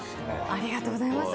ありがとうございます。